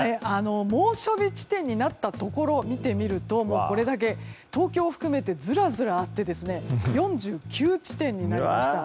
猛暑日地点になったとこを見てみると東京をふくめてずらずらあって４９地点になりました。